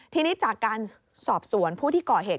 ทีนี้จากการสอบสวนผู้ที่ก่อเหตุ